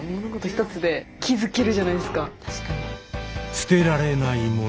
捨てられない物。